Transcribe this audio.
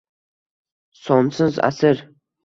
Sonsiz asir